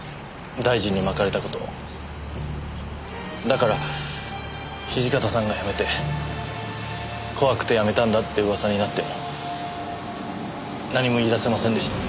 だから土方さんが辞めて怖くて辞めたんだって噂になっても何も言い出せませんでした。